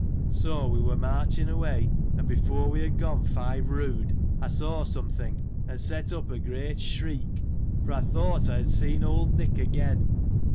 So, we were marching away, and before we had gone five rood, I saw some thing, and set up a great shriek, for I thought I had seen old Nick again.